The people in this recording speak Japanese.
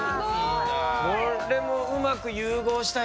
これもうまく融合したよね。